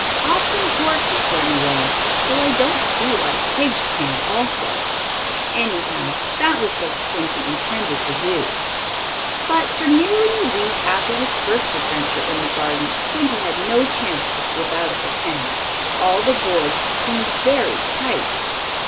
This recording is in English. Often horses run away, so I don't see why pigs can't, also. Anyhow, that was what Squinty intended to do. But, for nearly a week after his first adventure in the garden, Squinty had no chance to slip out of the pen. All the boards seemed very tight.